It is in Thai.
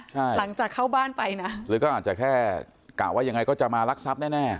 ใช่หลังจากเข้าบ้านไปนะหรือก็อาจจะแค่กะว่ายังไงก็จะมารักทรัพย์แน่แน่